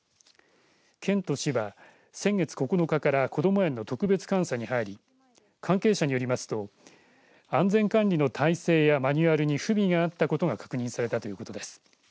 県と市は先月９日からこども園の特別監査に入り関係者によりますと安全管理の体制やマニュアルに不備があったことが確認されたということです。